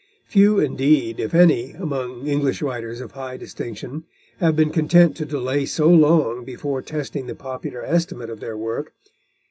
Few indeed, if any, among English writers of high distinction, have been content to delay so long before testing the popular estimate of their work.